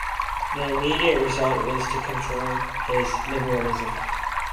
The immediate result was to confirm his Liberalism.